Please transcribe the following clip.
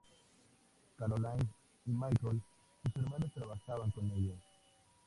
Karoline y Michael, sus hermanos, trabajan con ella.